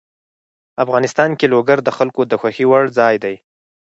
افغانستان کې لوگر د خلکو د خوښې وړ ځای دی.